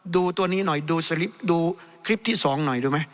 ดูตัวนี้หน่อยดูคลิปที่สองหน่อยดูไหม